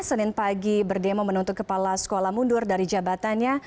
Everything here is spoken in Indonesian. senin pagi berdemo menuntut kepala sekolah mundur dari jabatannya